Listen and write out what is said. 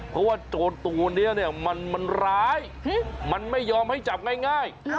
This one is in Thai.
เพราะว่าโจรตัวนี้เนี่ยมันร้ายมันไม่ยอมให้จับง่าย